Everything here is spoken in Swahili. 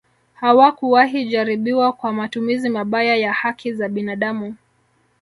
Hakuwahi jaribiwa kwa matumizi mabaya ya haki za binadamu